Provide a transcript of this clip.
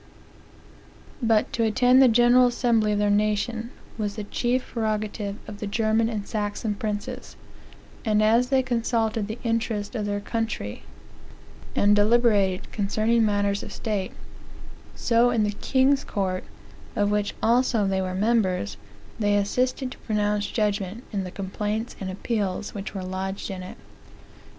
"But to attend the general assembly of their nation was the chief prerogative of the German and Saxon princes; and as they consulted the interest of their country, and eliberated concerning matters of state, so in the king's court, of which also they were members, they assisted to pronounce judgment in the complaints and appeals which were lodged in it."